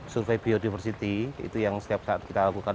survei biodiversity itu yang setiap saat kita lakukan